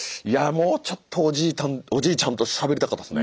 もうちょっとおじいちゃんとしゃべりたかったですね。